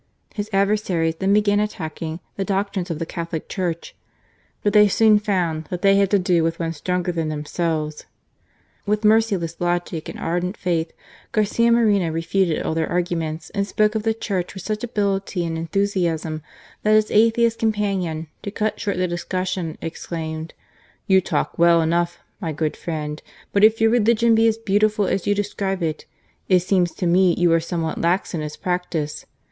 His adversaries then began attacking the doctrines of the Catholic Church ; but they soon found that they had to do with one stronger than themselves. With merciless logic and ardent faith Garcia Moreno refuted all their arguments, and spoke of the Church with such ability and enthusiasm that his atheist companion, to cut short the discus sion, exclaimed, " You talk well enough, my good friend ; but if your religion be as beautiful as you describe it, it seems to me you are somewhat lax in its practice.